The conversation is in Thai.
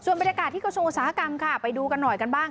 ส่วนบริการที่กระทรวงอุตสาหกรรมไปดูกันหน่อยกันบ้าง